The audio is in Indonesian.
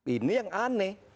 ini yang aneh